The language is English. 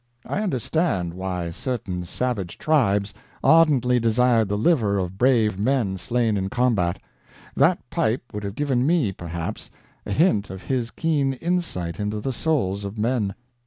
I understood why certain savage tribes ardently desired the liver of brave men slain in combat. That pipe would have given me, perhaps, a hint of his keen insight into the souls of men.